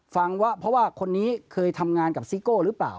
ฟังว่าเพราะว่าคนนี้เคยทำงานกับซิโก้หรือเปล่า